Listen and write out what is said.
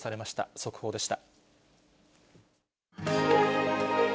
速報でした。